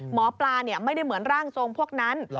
หมอปลาไม่ได้เหมือนร่างทรงพวกนั้น